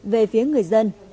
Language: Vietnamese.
về phía người dân